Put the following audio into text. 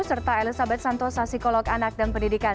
serta elizabeth santos asikolog anak dan pendidikan